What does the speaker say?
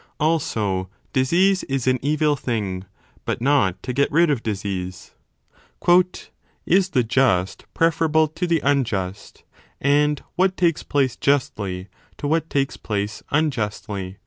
Also, disease is an evil thing, but not to get rid of disease. Is the just preferable to the unjust, and what takes place justly to what takes place unjustly